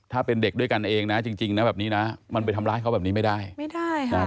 ถ้าเป็นเด็กด้วยกันเองนะจริงจริงนะแบบนี้นะมันไปทำร้ายเขาแบบนี้ไม่ได้ไม่ได้ค่ะ